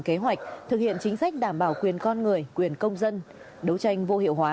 kế hoạch thực hiện chính sách đảm bảo quyền con người quyền công dân đấu tranh vô hiệu hóa